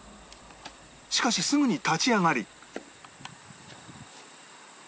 しかしすぐに立ち上がり